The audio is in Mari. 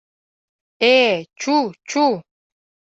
— Э-э, чу-чу!